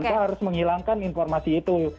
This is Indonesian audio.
mereka harus menghilangkan informasi itu